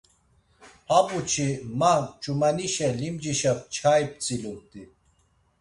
Habu-çi, ma ç̌umanişe limcişa nçai p̌tzilumt̆i.